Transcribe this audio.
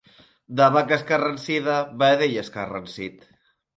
De vaca escarransida, vedell escarransit.